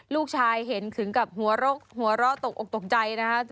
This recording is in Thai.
ลูกชายเห็นถึงกับหัวโรคหัวโร่ตกตกใจนะครับ